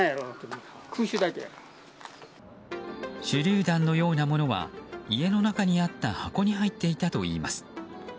手りゅう弾のようなものは家の中にあった箱に入っていたといいます。